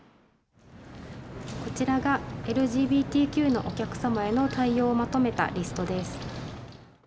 こちらがＬＧＢＴＱのお客様への対応をまとめたリストです。